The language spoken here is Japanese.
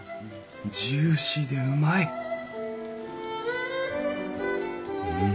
ジューシーでうまいうん。